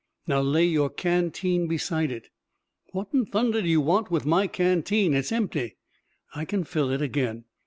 Now, lay your canteen beside it!" "What in thunder do you want with my canteen? It's empty!" "I can fill it again.